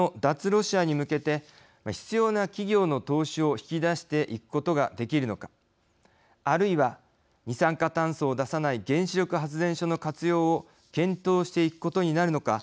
ロシアに向けて必要な企業の投資を引き出していくことができるのがあるいは二酸化炭素を出さない原子力発電所の活用を検討していくことになるのか